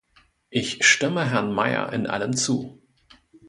Ich stimme Herrn Mayer in allem zu.